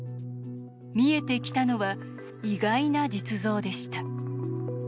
見えてきたのは意外な実像でした。